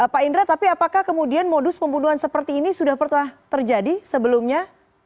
pak indra tapi apakah kemudian modus pembunuhan seperti ini sudah pernah terjadi sebelumnya